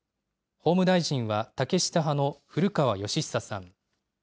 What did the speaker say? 法務大臣は竹下派の古川禎久さん。